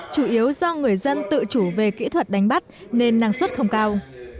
chủ yếu do người dân tự chủ về kỹ thuật đánh bắt nên năng suất không cao